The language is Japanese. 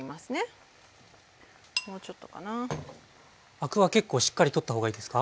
アクは結構しっかり取った方がいいですか？